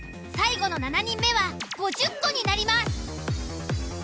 最後の７人目は５０個になります。